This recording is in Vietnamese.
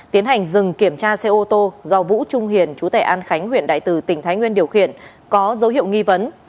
tiến hành dừng kiểm tra xe ô tô do vũ trung hiền chú tệ an khánh huyện đại từ tỉnh thái nguyên điều khiển có dấu hiệu nghi vấn